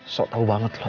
sok tau banget lo